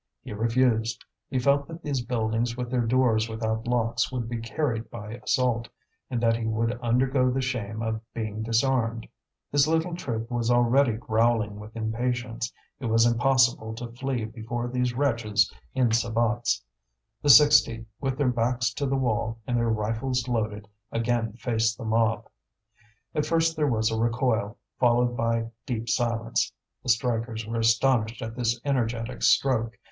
He refused; he felt that these buildings with their doors without locks would be carried by assault, and that he would undergo the shame of being disarmed. His little troop was already growling with impatience; it was impossible to flee before these wretches in sabots. The sixty, with their backs to the wall and their rifles loaded, again faced the mob. At first there was a recoil, followed by deep silence; the strikers were astonished at this energetic stroke.